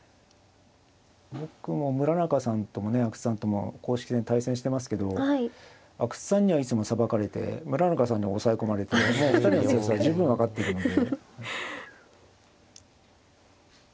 僕も村中さんともね阿久津さんとも公式戦対戦してますけど阿久津さんにはいつもさばかれて村中さんには押さえ込まれてもう２人のセンスは十分分かってるので。